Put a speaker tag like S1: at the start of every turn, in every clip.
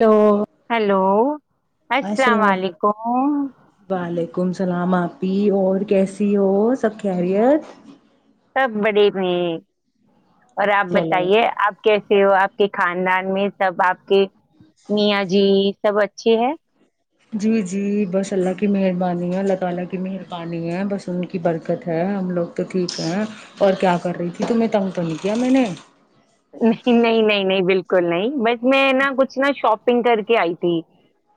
S1: تو
S2: ہیلو
S1: ماشاء اللہ
S2: اسالامعلایکم
S1: سلام آپی اور کیسی ہو سب خیریت
S2: سب بڑھیا ہے اور آپ
S1: چلو
S2: بتائیے آپ کیسے ہو آپ آ کے خاندان میں سب آپ کے میاں جی سب اچھی ہے
S1: جی جی بس اللہ کی مہربانی ہے اللہ تعالی کی مہربانی ہے بس ان کی برکت ہے ہم لوگ تو ٹھیک ہیں اور کیا کر رہی تھی تمہیں تنگ تو نہیں کیا میں نے
S2: نہیں نہیں نہیں نہیں بالکل نہیں بس میں نا کچھ نا شاپنگ کر کے آئی تھی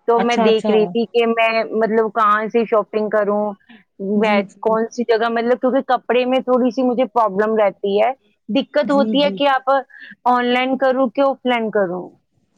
S2: تو میں
S1: اچھا
S2: دیکھ
S1: اچھا
S2: رہی تھی کہ میں مطلب کہاں سے شاپنگ کروں
S1: جی
S2: میں
S1: جی
S2: کونسی جگہ مطلب کیوکی کپڑے میں تھوڑی سی مجھے پرابلم رہتی ہے دقت
S1: جی
S2: ہوتی ہے
S1: جی
S2: کہ آپ آن لائن کرو کہ آف لائن کروں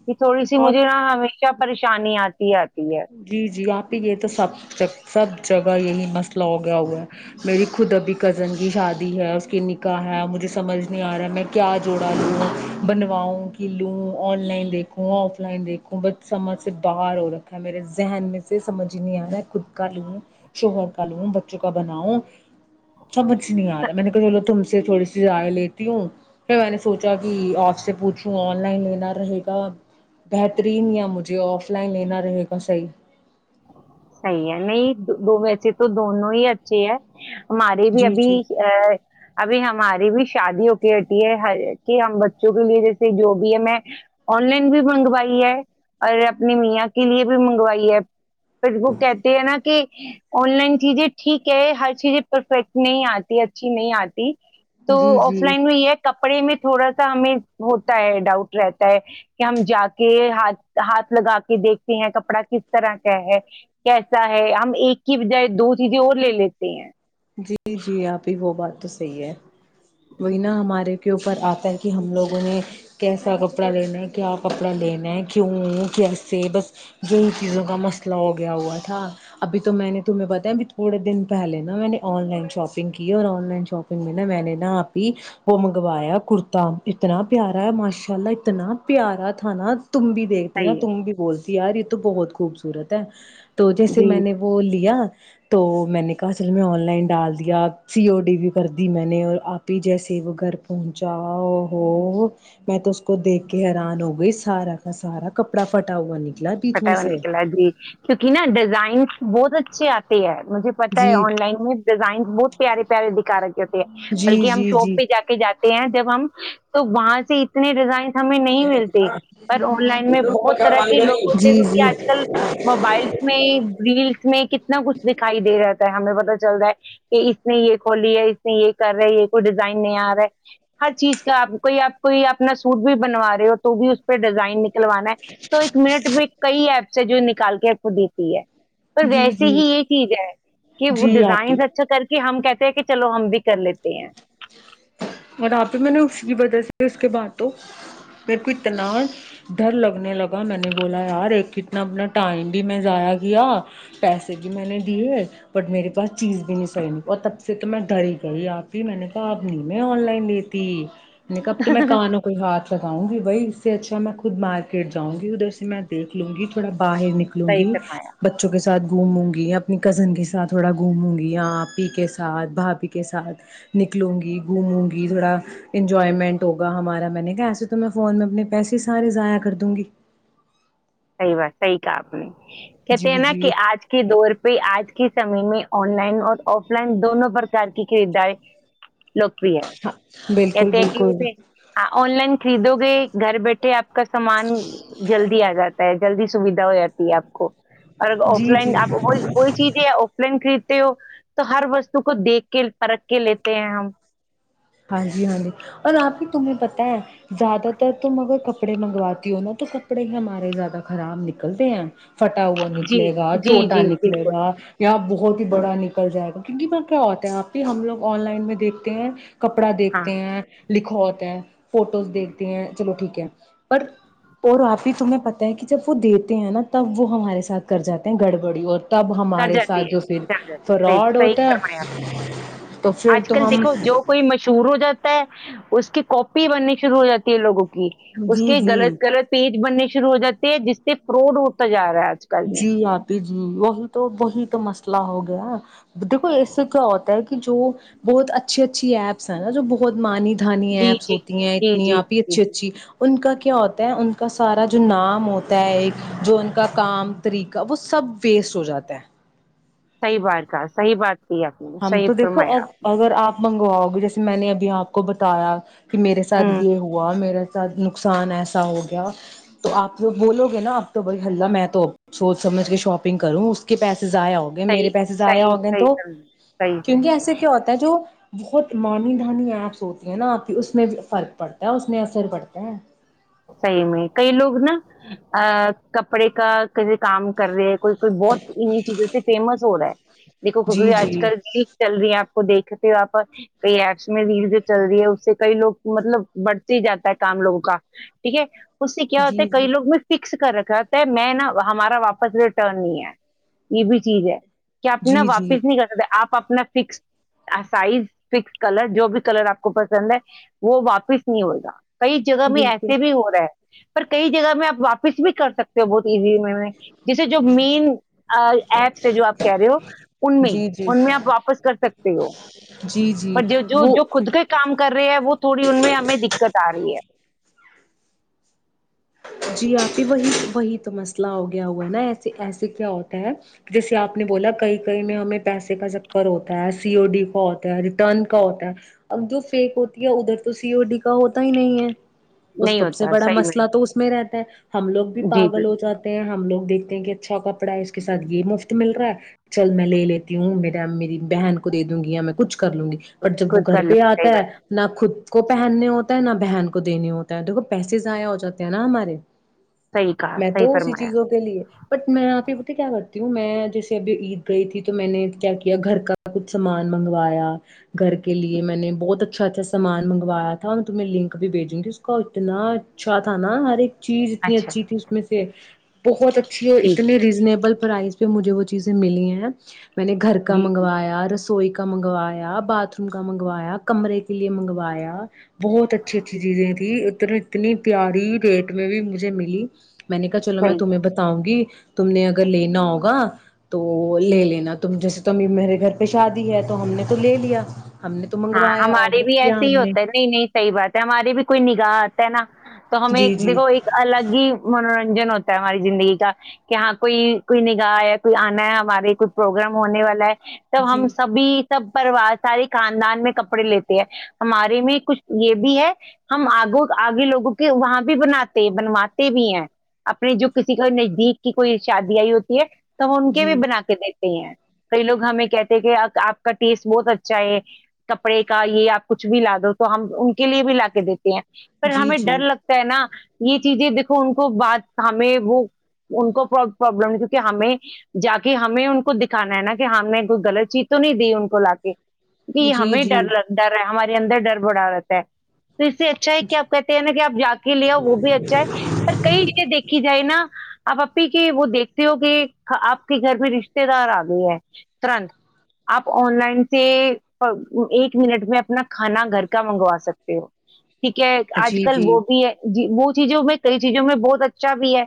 S2: یہ تھوڑی سی
S1: آپ
S2: مجھے ن کیا پریشانی اتی آتی ہے
S1: جی جی آپی یہ تو سب جگ سب جگہ یہی مسئلہ فلا گیا ہوا ہے میری خود ابھی کزن کی شادی ہے اس کے نکاح ہے مجھے سمجھ نہیں آ رہا ہے میں کیا جوڑا لوں بنواؤں کہ لوں آن لائن دیکھوں آف لائن دیکھوں بس سمجھ سے باہر ہو رہا میرے ذہن میں سے سمجھ ہی نہیں آ رہا ہے خود کا لوں شوہر کا لوں بچوں کا بناؤ سمجھ نہیں آ رہا میں نے کہا چلو تم سے تھوڑی سی رائ لیتی ہوں پھر میں نے سوچا کہ آپ سے پوچھوں آن لائن لینا رہے گا بہترین یا مجھے آف لائن لینا رہے گا صی
S2: صحی ہے نہیں دو ویسے تو دونوں ہی اچھے ہیں ہمارے بھی
S1: جی
S2: ابھی
S1: جی
S2: ا ابھی ہم ہماری بھی شادی ہو کے ہٹی ہے ہر کہ ہم بچوں کے لیے جیسے جو بھی ہے میں آن لائن بھی منگوائی ہے اور اپنی میاں کے لیے بھی منگوائی ہے پشبو کہتی ہے نا کہ آن لائن چیزیں ٹھیک ہے ہر چیزیں پرفیکٹ نہیں آتی اچھی نہیں آتی تو
S1: جی جی
S2: آف لائن میں یہ ہے کپڑے میں تھوڑا سا ہمیں ہوتا ہے ڈاؤٹ رہتا ہے کہ ہم جا کے ہاتھ ہاتھ لگا کے دیکھتے ہیں کپڑا کس طرح کیا ہے کیسا ہے ہم ایک کی بجائے دو چیزیں اور لے لیتے ہیں
S1: جی جی آپھی وہ بات تو صحی ہے وہی
S2: جی
S1: نا ہمارے کے اوپر آپ کہ ہم لوگوں نے کیسا کپڑا لینا کیا کپڑا لینا ہے کیوں کیسے بس یہی چیزوں کا مسئلہ ہو گیا ہوا تھا ابھی تو میں نے تمہیں پتا ابھی تھوڑے دن پہلے نا میں نے آن لائن شاپنگ کی اور آن لائن شاپنگ میں نا میں نے نا آپ ہی وہ منگوایا کرتا اتنا پیارا ہے ماشاء اللہ اتنا پیارا تھا نا تم بھی دیکھتی نا
S2: صحیح
S1: تم بھی بول یار یہ تو بہت خوبصورت ہے تو
S2: ہے
S1: جیسے
S2: جی
S1: میں نے وہ لیا تو میں نے کہا چل میں آ لائن ڈال دیا سی او ڈی بھیی کر دی میں نے اور آپ ہی جیسے وہ گھر پہنچا ہو میں تو اس کو دیکھ کے حیران ہو گئی سارا کا سارا کپڑا فھٹا ہوا نک
S2: پٹا ہو نکلا جی کیونکہ نا ڈیزائنس بہت اچھا اچھے آتی ہے مجھے پتا ہے
S1: جی
S2: آن لائن میں ڈیزائنس بہت پیارے پیارے دکھا رکھے ہوتے ہیں
S1: جی
S2: بلکہ ہم
S1: جی جی
S2: شاپ پہ ج کے جاتے ہیں جب ہم تو وہاں سے اتنے ڈیزائن ہمیں نہیں
S1: جی
S2: ملتے پر آن لائن میں بہت طرح کے لوگوں کیکہ
S1: جی
S2: آج کل موبائلس میں ریلس میں کتنا کچھ دکھائی دے رہتا ہے ہمیں پت چل رہا ہے کہ اس نے یہ کھولی ہے اس نے یہ کر رہے ہے یہ کوئی ڈیزائن نہیں آ رہا ہے ہر چیز کا آپ کوئی آپ کوئی اپنا سوٹ بھی بنوا رہے ہو تو بھی اس پہ ڈیزائن ن کلوانا ہے تو ایک منٹ میں ایپ سے جو نکال کے ایپ کو دیتی ہے پر
S1: جی
S2: ویسے
S1: جی
S2: ہی یہ چیز ہے کہ وہ
S1: جی آپی
S2: ڈیزائنس اچھا کر کے کہ ہم کہتے ہیں کہ چلو ہم بھی کر لیتے ہیں
S1: اور آپہ میں نے اس کی وجہ سے اس کے بعد تو میرے کو اتنا ڈر لگنے لگا میں نے بولا یار ایک کتنا انا ٹائم بھی میں ایاع کیا پیسے بھی میں نے دیے بٹ میرے پاس چیز بھی نہیں صحی نہیں اور تب سے تو میں ڈر ہی گئی آپ ہی میں نے کہا آپ نہیں میں آن لائن لیتی نہیں اب تو میں کہانا کوئی ہاتھ لگاؤں گی وہی اس سے اچھا میں خود ماریٹ جاؤں گی ادھر سے میں دیکھ لوں گی تھوڑا باہر نکلوں
S2: صحیح
S1: گی
S2: فرمایا
S1: بچوں کے ساتھ گھوموں گی اپنی کزن کے ساتھ تھوڑا گھوموں گی اںپی کے ساتھ بھابھی کے ساتھ نکلوں گی گھوموں گی تھوڑا انجوائمنٹ ہوگا ہمارا میں نے کہ ایسے تو میں فون میں اپنے پیسے سارے ضائع کر دوں گی
S2: صحی بات صحی کہا آپ نے
S1: جی
S2: کہتے ہیں نا
S1: جی
S2: کہ آج کے دور پہ آج کی سمع میں آن لائن اور آف لائن دونوں پرک کی خریداریں لوکپری ہے
S1: ہاں بالکل
S2: کہتے
S1: بالکل
S2: کہے آن لائن خریدو گے گھر بیٹھے آپ کا سامان جلدی آ جاتا ہے جلدی سویدھا ہو جاتی ہے آپ کو اور آف
S1: جی
S2: لائن
S1: جی
S2: آپ وہی چیز ہے آف لائن خرید ہو تو ہر وستو کو دیکھ کے پرکھ کے لیتے ہیں ہم
S1: ہاں جی ہاں جی اور آپ ہی تمہیں پت ہے زیادہ تر تم اگر کپڑے منگواتی ہو نا تو کپڑے ہی ہمارے زیادہ خراب نکلتے ہیں پھٹا ہوا
S2: جی
S1: نکلے گا
S2: جی
S1: چھوٹا
S2: جی
S1: نکلے
S2: بالکل
S1: گا یا بہت ہی بڑا نکل جائے گا کیونکہ ب کیا ہوتا ہے آپ بھی ہم لگ آن لائن میں دیکتے ہیں کپڑا
S2: ہاں
S1: دیکھتے ہیں لکھوتے ہیں فوٹوز دیکھتے ہیں چلو ٹھیک ہے پر اور آپ ہی تمہیں پتہ ہے کہ جب وہ دیتے ہیں نا تب وہ ہمارے ساتھ کر جاتے ہیں گڑبڑی اور تب
S2: کر
S1: ہمارے ساتھ
S2: جاتی ہے
S1: جو پھر
S2: کر جاتی ہے، صحیح
S1: فراڈ
S2: صحیح
S1: ہوتا
S2: فرمایا
S1: ہے
S2: آپ نے
S1: تو پھر
S2: اج
S1: تو
S2: کل
S1: ہم
S2: دیکو جو کوئی مشہور ہو جاتا ہے اس کی کاپی بننی شروع ہو جاتی ہے لوگوں کو اس
S1: جی
S2: کے
S1: جی
S2: غلط غلط پیج بننے شروع ہو جاتے جستے پروڈ ہوتا ج رہا ہے آج کل میں
S1: جی آتی جی وہی تو وہی تو مست م ہو گیا دیکھو اس سے کیا ہوتا ہے کہ جو بہت اچھی اچھی ایپس ہے نا جو بہت مانی
S2: جی
S1: ایپس
S2: جی
S1: ہوتی ہیں
S2: جی
S1: اتنی
S2: جی
S1: آپ ہی
S2: جی
S1: اچھی
S2: جی
S1: اچھی ان کا کیا ہوتا ہے ان کا سارا جو نام ہوتا ہے ایک جو ان کا کام طریقہ وہ سب ویسٹ ہو جاتا ہے
S2: صحی بات کا صحی بات کی آپ نے
S1: ہم
S2: صحیح
S1: تو دیکھو ا
S2: فرمایا
S1: اگر آپ منگواؤ گے جیسے میں نے ابھی آپ کو بتایا کہ میرے
S2: آپ
S1: ساتھ
S2: ہوں
S1: یہ ہوا میرا نقصان ایسا ہو گیا تو آپ بولو گے نا آپ تو بائی ہلہ میں تو سوچ سمجھ کے شاپنگ کروں اس کے پیسے ضائع ہو گئے میرے
S2: صحیح
S1: پیسے ضائع
S2: صحیح
S1: ہو گئے
S2: صحیح
S1: تو
S2: کر صحیح سے
S1: کیونکہ ایسے کیا ہوتا ہے جو بہت مانی دھانی ایپس ہوتی ہیں نا آپ کی اس میں فرق پڑتا ہے اس میں اثر پڑتا ہے
S2: صحیح میں کئی لوگ نا ا کپڑے کا کے کام کر رہے کوئی کوئی بہت انہیں چیزوں سے فیمس ہو رہا ہے دیکھو کو
S1: جی
S2: کوئی آج
S1: جی
S2: کل ریل چل رہی ہیں کو دیکھتے ہو آپ کئی ایکس میں ریل جو چل رہی ہے اس سے کئی لوگ مطلب بڑھتے ہی جاتا ہے کام لوگوں کا ٹھیک ہے اس سے کیا ہوتا ہے
S1: جی
S2: کئی
S1: جی
S2: لگ میں فکس کر کہتا میں نا ہمارا واپس ریٹرن نہیں ہے یہ بھی چیز ہے کہ آنا
S1: جی جی
S2: واپس نہیں کر سکتے آپ اپنا فکس سائز فکس کلر جو بھی کلر آپ کو پسند ہے وہ واپس نہیں ہوگا کئی جگہ بھی ہے
S1: بالکل
S2: سے بھی ہو رہا ہے پر کئی جگہ میں آپ واپس بھی کر سکتے ہو بہت ایزی جیسے جو مین ایپس ہے جو آپ کہہ رہے ہو ان میں
S1: جی جی
S2: ان میں آپ واپس کر سکتے ہو
S1: جی جی
S2: پر جو
S1: وہ
S2: جو خود کا کام کر رہے ہیں وہ تھوڑی ان میں ہمیں دقت آ رہی ہے
S1: جی آپ ہی وہی وہی تو مسئلہ ہو گیا ہوا ہے نا ایسے ایسے کیا ہوتا ہے جیسے آپ نے بولا کہئی کئی میں ہمیں پیسے کا چکر ہوتا ہے سی او ڈی کا ہوتا ہے ریٹرن کا ہوتا ہے اب جو فیک ہوتی ہے ادھر تو سی او ڈی کا ہوتا ہی نہیں ہے اس
S2: نہیں
S1: سب سے
S2: ہوتا
S1: بڑا
S2: صحیح میں
S1: مسئلہ تو اس ہم لوگ بھی
S2: جی
S1: پاگل
S2: بالکل
S1: ہو جاتے ہیں ہم لوگ دھتے ہیں کہ اچھا ک پڑا اس کے سات یہ مفت مل رہا ہے چل میں لے لیتی ہوں میری بہن کو دوں گی میں کچھ کر لوں گی ب جب وہ
S2: خود
S1: گھر
S2: کر لوں
S1: پہ
S2: صحیح
S1: آتا ہے
S2: بات
S1: نہ خود کو پہننے ہوتا ہے نہ بہن کو دینے ہوتا ہے دیکو پیسے ضائع ہو جاتے نا ہمارے
S2: صحیح کہا
S1: میں
S2: صحیح
S1: تو اسی
S2: فرمایا
S1: چیزوں کے لیے بٹ میں آپ کے ب کیا کرتا ہ میں جیسے ابھی عید گئی تھی تو میں نے کیا کیا گھر کا کچھ سامان منگوایا گھر کے لیے میں نے بہت اچھ اچھا اچھا سامان منگوایا تھا میں تمہیں لنک بھیجوں گی اس کا اتنا اچھا تھا نا ہر ایک چیز اتنی
S2: اچھا
S1: اچھی تھی اس میں سے بہت
S2: ٹھیک
S1: اتنی ریزنیبل پرائز پہ مجھے وہ چیزیں ملی ہیں میں نے گھر کا
S2: جی جی
S1: منگوایا رسوئی کا منگوایا باتھ روم کا منگوایا کمرے کے لیے منگوایا بہت اچھی اچھی چیزیں تیں ادتر کتنی پیاری ریٹ میں بھی مجھے ملی میں نے کہا چلو میں
S2: صحیح ہے
S1: تمہیں بتاؤں گی تم نے اگر لینا ہوگا تو لے لینا تم جیسے تو میرے گھر پہ شادی ہے تو ہم نے تو لے لیا ہم نے تو
S2: ہاں
S1: منگوایا
S2: ہمارے
S1: آڈر
S2: بھی
S1: کیا
S2: ایسے
S1: ہم
S2: ہی
S1: نے
S2: ہوتا ہے نہیں نہیں صحی بات ہے ہماری بھی کوئی ن گا ت نا [unintelligible] تو
S1: جی
S2: ہمیں
S1: جی
S2: دیکھو ایک الگ ہی منورنج ہوتا ہے ہماری زندگی کا کہ ہاں کوئی کوئی نگاہ ہےیا کوئی آنا ہے ہمارے کوئی پروگرام ہونے والا ہے تب
S1: جی
S2: ہم سبھی سب پروار ساری کان خاندان میں کپڑے لیتے ہیں ہمارے میں کچھ یہ بھی ہے ہم آگ آگے لوگوں کے وہاں بھی بناتے بنواتے بھی ہیں اپنے جو کسی کو نزدیک کی کوئی شادی آئی ہوتی ہے تو ہن کی
S1: جی
S2: بنا کے دتی کئی لوگ ہمیں کہتے ہیں کہ آپ کا ٹیسٹ بہت اچھا ہے کپڑے کا یہ آپ کچھ بھی لا دو تو ہم ان کے لیے بھی لا کے دیتے ہیں پر
S1: جی
S2: ہمیں
S1: جی
S2: ڈر لگتا ہے نا یہ چیزیں دیکھو ان کو بات ہمیں وہ ان کو پرابلم کیونکہ ہمیں جا کے ہمیں ان کو دکھانا ہے نا کہ ہم نے کوئی غلط چیز تو نہیں دی ان کو لا کے ج
S1: جی
S2: ہمیں
S1: جی
S2: ڈر ڈر ہے ہماری ر ڈر بڈا آت تو اس سے اچھا ہے کہ آپ کہتے ہیں نا کہ آپ جا کے لےیا وہ بھی اچھا ہے پر کئی جگہ دیکھی جائے نا آپ اھی کے وہ دیکھتے ہو کہ آپ کے گھر میں رشتے دار آ گئے ہیں ترنت آپ آن لائن سے ایک منٹ میں اپنا کھانا گھر کا منگوا سکتے ہو ٹھیک ہے آج
S1: جی
S2: کل
S1: جی
S2: وہ بھی ہے جی وہ چیزوں میں کئی چیزوں میں بہت اچھا بھی ہے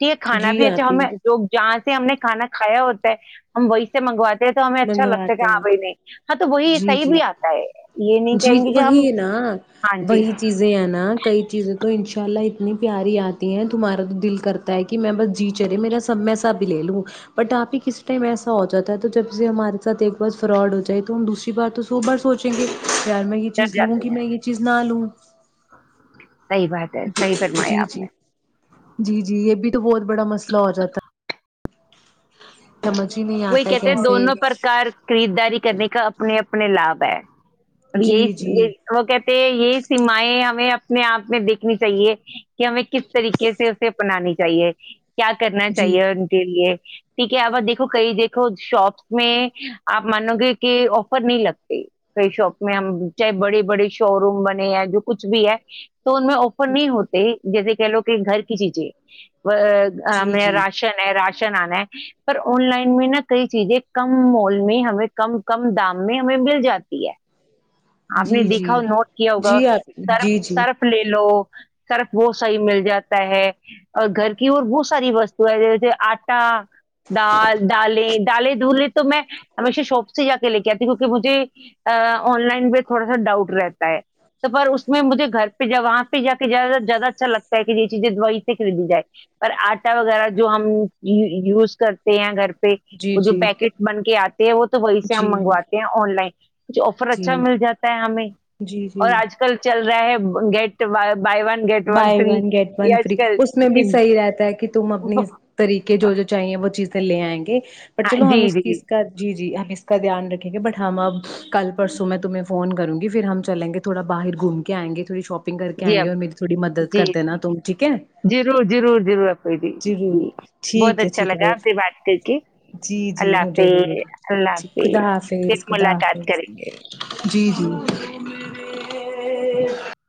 S2: ٹھ ہے کھانا
S1: جی
S2: بھی اچھا
S1: آپ ہی
S2: ہمیں لوگ جانچ ہم نے کھانا کھایا ہوتا ہے ہم وہی سے منگواتے تو ہمیں اچھا لگتا ہے کہ
S1: منگواتے
S2: ہاں
S1: ہیں
S2: بھائی نہیں ہاں تو وہی
S1: جی
S2: صحیح
S1: جی
S2: بھی آتا ہے یہ نہیں
S1: جی
S2: کہیں گے کہ ہم
S1: وہی نا
S2: ہاں جی
S1: وہی چیزیں ہیں نا کئی چیزیں تو تو ان شاء اللہ اتنی پیاری آتی ہے تمہارا تو دل کرتا ہے کہ میں بس جی چلے میرا سب میںسا بھی لے لوں بٹ آپ ہی کس ٹائم ایسا ہو جا ہے تو جب ج سے ہمارے ساتھ ایک بار فراڈ ہو جائے تو ہم دوسری بار تو سو بار سوچیں گے یار میں یہ
S2: ڈر
S1: چیز لوں
S2: جاتے
S1: گی
S2: ہیں
S1: میں یہ چیز نہ لوں [unintelligible]
S2: [unintelligible] ہے
S1: ج
S2: صحیح
S1: جی
S2: فرمایا آپ
S1: جی
S2: نے
S1: جی جی یہ بھی تو بہت بڑا مسئلہ ہو جاتا ہے سمجھ ہی نہیں
S2: وہی
S1: آتا ہے
S2: کہتے ہیں
S1: کیسے
S2: دونوں پرکار خریدداری کرنے کا اپنے اپنے لاباب ہے اور
S1: جی
S2: یہی
S1: جی
S2: یہ وہ کہتے یہ سیمیں ہمیں اپنے آپ میں دیکھنی چاہیے کہ ہمیں کس طریقے سے اسے اپنانی چاہیے کیا کرنا
S1: جی
S2: چاہیے ان کے لیے ٹھ ہے آب د کئی دیکھو شاپس میں آپ مانو گے کہ آفر نہیں لگتے کئی شاپس میں ہم چاہے بڑے بڑے شو روم بنے یا جو کچھ بھی ہے تو ان میں آفر نہیں ہوتے جیسے کہ لو کہ گھر کی چیزیں ہم
S1: جی
S2: نے
S1: جی
S2: راشن ہے رشن شن آنا ہے پر آن لائن میں نا کئی چیزیں کم مال میں ہمیں کم کم دام میں ہمیں مل جاتی ہے آپ نے
S1: جی جی
S2: دیکھا ہو نوٹ کیا ہوگا
S1: جی آپ
S2: سرف
S1: جی جی
S2: سرف لے لو سرف وہ صحیح مل جاتا ہے اور گھر کی اور بہت ساری وستو ہے جیسے آٹا دال ڈالیں ڈالیں دول تو میں ہمیشہ شوپ سے جا کے لے ت کیونکہ مجھے آن لائن پہ تھوڑا سا ڈاؤٹ رہتا تو پر اس میں مجھے گھر پہ ج وہاں پہ جا کے زیادہ اچھا لگتا ہے کہ یہ چیزیں دوی سے خریدی جائے پر آٹا وغیرہ جو ہم یوز کرتے ہیں گھر پہ
S1: جی
S2: وہ جو
S1: جی
S2: پیکٹ بن کے آتے ہو تو وہی سے ہم
S1: جی
S2: منگواتے ہیں آن لائن کچھ آفر
S1: جی
S2: اچھا مل جاتا ہے ہمیں
S1: جی جی
S2: اور آج کل چل رہا ہے get buy
S1: buy one get one free
S2: کل
S1: اس میں بھی صحی رہتا ہے کہ تم اپنی طریقے جو جو چاہیے وہ چیز ک لے آئیں گے بٹ چلو
S2: جی
S1: ہم اس
S2: جی
S1: چیز کا جی جی ہم اس کا دھیان رکھیں گے بٹ ہم اب کل پرسوں میں تمہیں فون کر گی پھر ہم چلیں گے تھوڑا باہر گھوم کے آئیں گے تھوڑی شاپ کر آئ
S2: جی
S1: گے
S2: آپ
S1: اور میرری
S2: جی جی ضرور ضرور ضرور ا جی
S1: ضرور
S2: جی بہت
S1: ٹھیک ہے
S2: اچھا
S1: ٹھیک
S2: لگا
S1: ہے
S2: آپ سے بات کر کے
S1: جی جی
S2: اللہ
S1: مجھے بھی مجھے
S2: حافظ اللہ
S1: ٹھیک، خدا
S2: حافظ پھر
S1: حافظ خدا
S2: ملاقات
S1: حافظ
S2: کریں گے
S1: ج